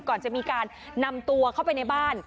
ก่อนจะมีการนำตัวเข้าไปในบ้าน